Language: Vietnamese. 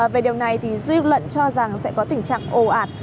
về điều này thì duy lận cho rằng sẽ có tình trạng ồ ạt